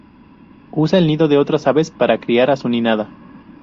Usa el nido de otras aves para criar a su nidada.